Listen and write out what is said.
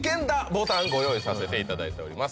ボタンご用意させていただいております